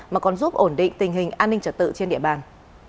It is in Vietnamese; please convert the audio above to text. mà còn giúp ổn định tình hình an ninh trật tự trên địa bàn